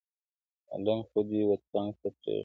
ملنگ خو دي وڅنگ ته پرېږده.